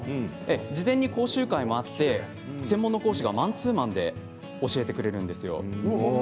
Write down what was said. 事前に講習会もあって専門の講師がマンツーマンで教えてくれるんです。